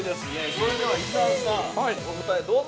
それでは伊沢さん、お答えどうぞ。